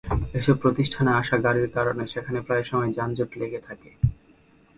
এসব প্রতিষ্ঠানে আসা গাড়ির কারণে সেখানে প্রায় সময় যানজট লেগে থাকে।